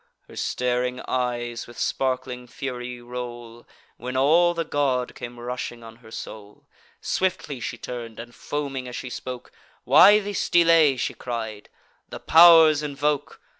Her staring eyes with sparkling fury roll; When all the god came rushing on her soul. Swiftly she turn'd, and, foaming as she spoke: "Why this delay?" she cried; "the pow'rs invoke!